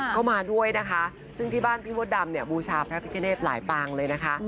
ก็มาด้วยนะคะซึ่งที่บ้านพี่มดดำเนี่ยบูชาพระพิกเนตหลายปางเลยนะคะ